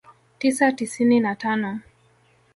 tisa tisini na tano